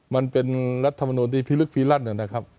มันเป็นรัฐมนุนที่พิลึกพิลั่นนะครับ